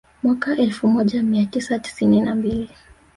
Mwaka elfu moja mia tisa tisini na mbili